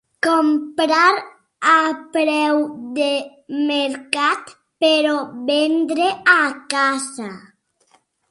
Comprar a preu de mercat, però vendre a casa